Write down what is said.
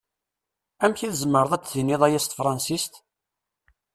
Amek i tzemreḍ ad d-tiniḍ aya s tefṛansist?